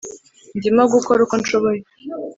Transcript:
ndimo gukora uko nshoboye